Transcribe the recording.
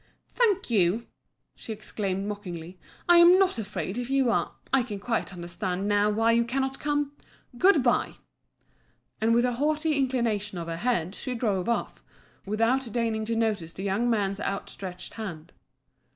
"Thank you!" she exclaimed mockingly, "I am not afraid, if you are. I can quite understand now why you cannot come. Good bye!" And with a haughty inclination of her head she drove off, without deigning to notice the young man's outstretched hand.